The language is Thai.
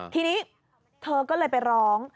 ทีนี้เธอก็เลยไปร้อง